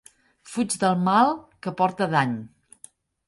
Fuig del mal que porta dany.